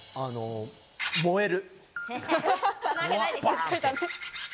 燃える。